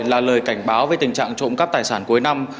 là lời cảnh báo về tình trạng trộm cắp tài sản cuối năm